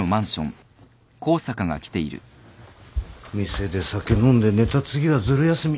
店で酒飲んで寝た次はずる休み。